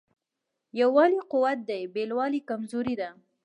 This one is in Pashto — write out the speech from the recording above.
یووالی قوت دی بېلوالی کمزوري ده.